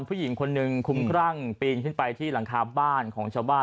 ผู้หญิงคนหนึ่งคุ้มครั่งปีนขึ้นไปที่หลังคาบ้านของชาวบ้าน